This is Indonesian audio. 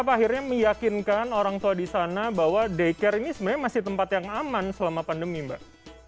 apa akhirnya meyakinkan orang tua di sana bahwa daycare ini sebenarnya masih tempat yang aman selama pandemi mbak